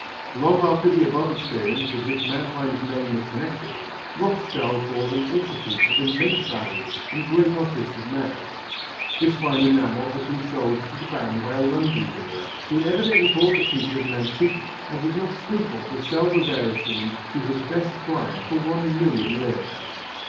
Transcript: Long after the above experience with which Mannheim's name was connected, Rothschild bought an altar piece of immense value and great artistic merit. This fine enamel had been sold to the Baron by a London dealer, who had evidently bought the piece as an antique and did not scruple to sell the rarity to his best client for one million lire.